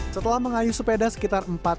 setelah mengayuh sepeda sekitar empat menit